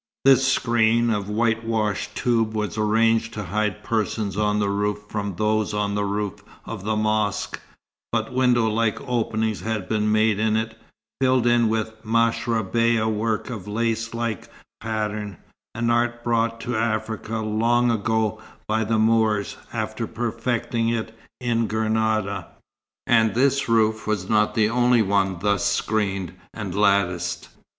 This screen of whitewashed toub was arranged to hide persons on the roof from those on the roof of the mosque; but window like openings had been made in it, filled in with mashrabeyah work of lace like pattern; an art brought to Africa long ago by the Moors, after perfecting it in Granada. And this roof was not the only one thus screened and latticed.